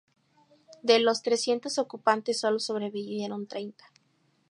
De los trescientos ocupantes solo sobrevivieron treinta.